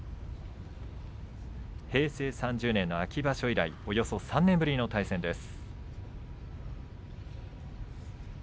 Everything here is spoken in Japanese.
平成３０年の秋場所以来およそ３年ぶりの対戦です。